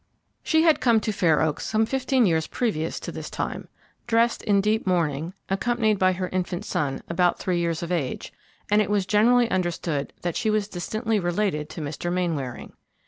She had come to Fair Oaks some fifteen years previous to this time, dressed in deep mourning, accompanied by her infant son, about three years of age, and it was generally understood that she was distantly related to Mr. Mainwaring.